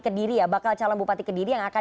kediri ya bakal calon bupati kediri yang akan